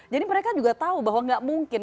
jadi mereka juga tahu bahwa gak mungkin